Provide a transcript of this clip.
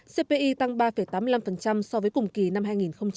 cpi tăng ba tám mươi năm so với cùng kỳ năm hai nghìn một mươi chín